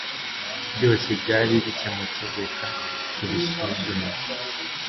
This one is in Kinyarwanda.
byose byari bikemutse Reka tubisuzume